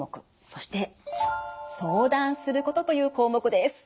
そして「相談すること」という項目です。